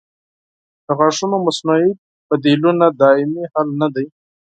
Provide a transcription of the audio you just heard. د غاښونو مصنوعي بدیلونه دایمي حل نه دی.